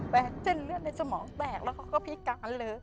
เส้นเลือดในสมองแตกแล้วเขาก็พิการเลย